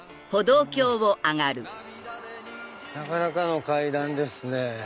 なかなかの階段ですね。